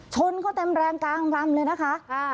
ชนเขาเต็มแรงกลางลำเลยนะคะ